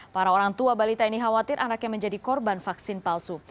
para orang tua balita ini khawatir anaknya menjadi korban vaksin palsu